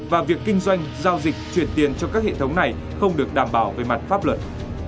và việc kinh doanh giao dịch chuyển tiền cho các hệ thống này không được đảm bảo về mặt pháp luật